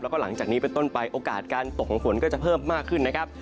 แล้วก็หลังจากนี้เป็นต้นไปโอกาสการตกของฝนก็จะเพิ่มมากขึ้นนะครับ